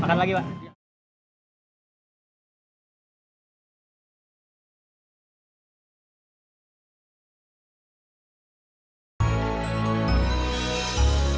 makan lagi wak